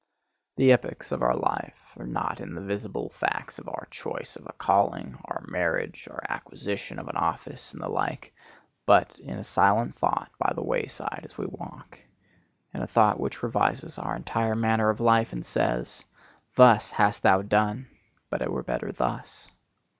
The epochs of our life are not in the visible facts of our choice of a calling, our marriage, our acquisition of an office, and the like, but in a silent thought by the way side as we walk; in a thought which revises our entire manner of life and says,—'Thus hast thou done, but it were better thus.